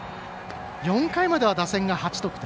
４回までは打線が８得点。